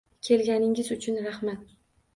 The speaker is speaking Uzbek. Kelganingiz uchun rahmat.